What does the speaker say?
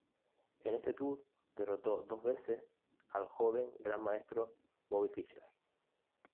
En este tour derrotó dos veces al joven gran maestro Bobby Fischer.